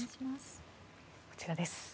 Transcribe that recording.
こちらです。